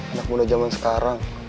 enak muda zaman sekarang